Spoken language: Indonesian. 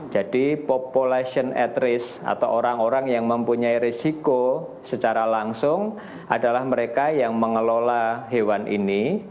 jadi population at risk atau orang orang yang mempunyai risiko secara langsung adalah mereka yang mengelola hewan ini